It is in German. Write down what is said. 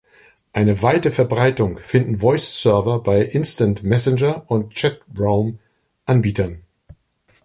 Eine weite Verbreitung finden Voice-Server bei Instant-Messenger- und Chatraum-Anbietern.